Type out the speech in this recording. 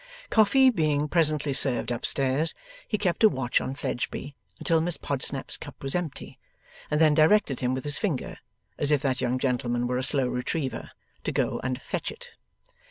Coffee being presently served up stairs, he kept a watch on Fledgeby until Miss Podsnap's cup was empty, and then directed him with his finger (as if that young gentleman were a slow Retriever) to go and fetch it.